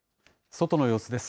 外の様子です。